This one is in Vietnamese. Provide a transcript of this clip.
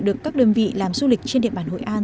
được các đơn vị làm du lịch trên địa bàn hội an